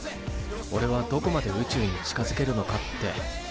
おれはどこまで宇宙に近づけるのかって。